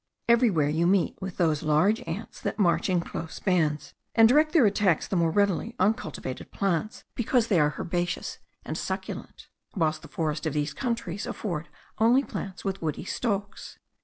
Everywhere you meet with those large ants that march in close bands, and direct their attacks the more readily on cultivated plants, because they are herbaceous and succulent, whilst the forests of these countries afford only plants with woody stalks.